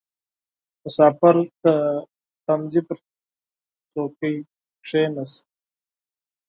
• مسافر د تمځي پر څوکۍ کښېناست.